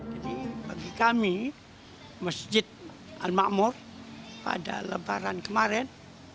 jadi bagi kami masjid al ma'mur pada lebaran kemarin